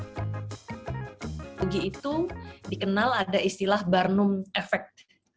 sebelumnya dikenal ada istilah barnum effect